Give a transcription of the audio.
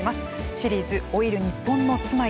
シリーズ「老いる日本の住まい」